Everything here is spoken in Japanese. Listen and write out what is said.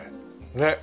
ねっ。